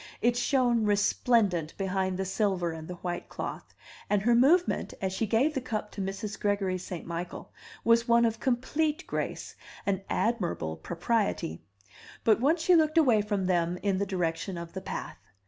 It shone resplendent behind the silver and the white cloth, and her movement, as she gave the cup to Mrs. Gregory St. Michael, was one of complete grace and admirable propriety. But once she looked away from them in the direction of the path.